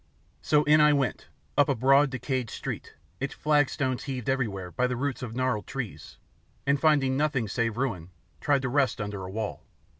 So in I went: up a broad, decayed street, its flagstones heaved everywhere by the roots of gnarled trees, and finding nothing save ruin, tried to rest under a wall.